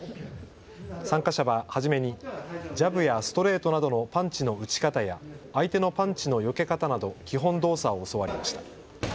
参加者は初めにジャブやストレートなどのパンチの打ち方や相手のパンチのよけ方など基本動作を教わりました。